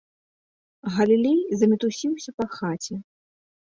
Галілей замітусіўся па хаце.